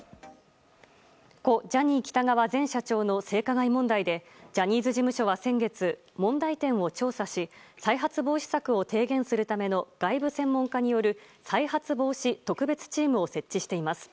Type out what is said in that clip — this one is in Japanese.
故ジャニー喜多川前社長の性加害問題でジャニーズ事務所は先月、問題点を調査し再発防止策を提言するための外部専門家による再発防止特別チームを設置しています。